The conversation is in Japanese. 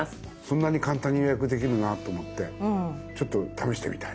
そんなに簡単に予約できるなと思ってちょっと試してみたいなと思いました。